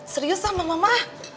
serius sama mama ah